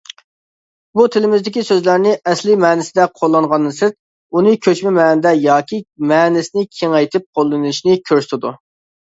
بۇ تىلىمىزدىكى سۆزلەرنى ئەسلى مەنىسىدە قوللانغاندىن سىرت، ئۇنى كۆچمە مەنىدە ياكى مەنىسىنى كېڭەيتىپ قوللىنىشنى كۆرسىتىدۇ.